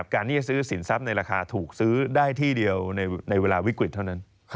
การที่จะซื้อสินทรัพย์ในราคาถูกซื้อได้ที่เดียวในเวลาวิกฤตเท่านั้น